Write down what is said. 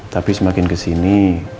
tapi semakin kesini